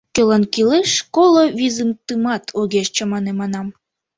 — Кӧлан кӱлеш, коло визытымат огеш чамане, — манам.